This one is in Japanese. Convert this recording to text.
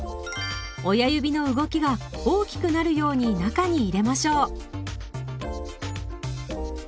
親指の動きが大きくなるように中に入れましょう。